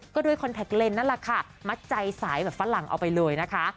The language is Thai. ก็ด้วยคอนแท็กเลนส์นั่นแหละค่ะมัดใจสายแบบฝรั่งเอาไปเลยนะคะ